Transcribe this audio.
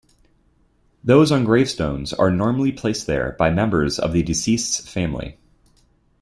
Those on gravestones are normally placed there by members of the deceased's family.